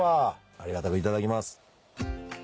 ありがたくいただきます。